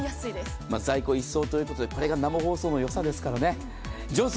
在庫一掃ということで、これが生放送のよさですからね。